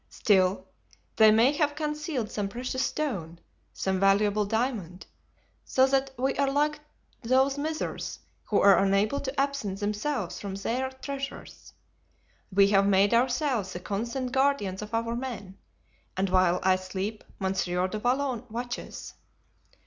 Still, they may have concealed some precious stone, some valuable diamond; so that we are like those misers who are unable to absent themselves from their treasures. We have made ourselves the constant guardians of our men, and while I sleep Monsieur du Vallon watches."